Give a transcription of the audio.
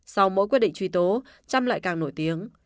sau mỗi quyết định truy tố trăm lại càng nổi tiếng